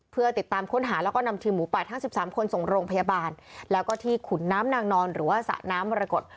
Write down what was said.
เพื่อติดตามค้นหาแล้วก็นำทีมหมูป่าทั้ง๑๓คนส่งโรงพยาบาลแล้วก็ที่ขุนน้ำนางนอนหรือว่าสระน้ำมรกฏ